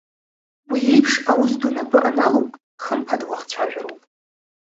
Уи еиԥш аус ду напы аналоук, хымԥада уахцәажәароуп.